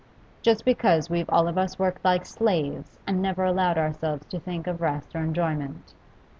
Just because we've all of us worked like slaves and never allowed ourselves to think of rest or enjoyment.